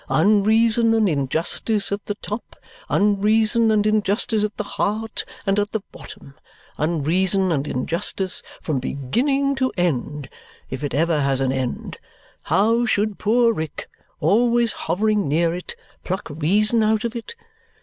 Unreason and injustice at the top, unreason and injustice at the heart and at the bottom, unreason and injustice from beginning to end if it ever has an end how should poor Rick, always hovering near it, pluck reason out of it?